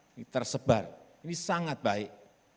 ini tersebar ini sangat baik